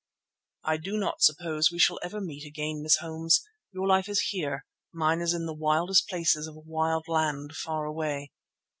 "I do not suppose we shall ever meet again, Miss Holmes. Your life is here, mine is in the wildest places of a wild land far away."